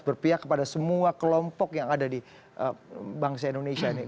berpihak kepada semua kelompok yang ada di bangsa indonesia ini